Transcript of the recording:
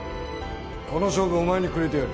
この勝負お前にくれてやる。